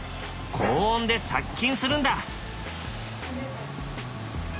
高温で殺菌するんだ。